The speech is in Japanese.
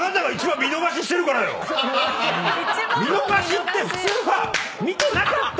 見逃しって普通見てなかった！